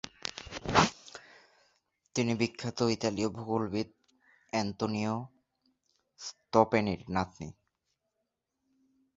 তিনি বিখ্যাত ইতালীয় ভূগোলবিদ "অ্যান্তিনিও স্টপ্যানির" নাতনী।